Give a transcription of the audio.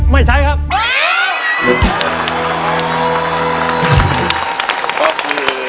ไม่ใช้ครับ